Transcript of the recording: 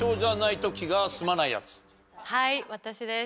はい私です。